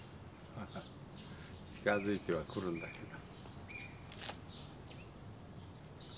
ハハッ近づいてはくるんだけど。